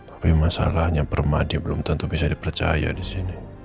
tapi masalahnya permadi belum tentu bisa dipercaya disini